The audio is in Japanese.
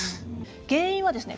原因はですね